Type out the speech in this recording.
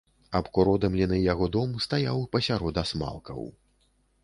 Абкуродымлены яго дом стаяў пасярод асмалкаў.